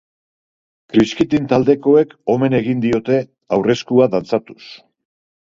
Kriskitin taldekoek omen egin diote, aurreskua dantzatuz.